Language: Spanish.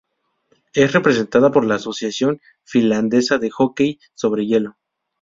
Es representada por la Asociación Finlandesa de Hockey sobre Hielo.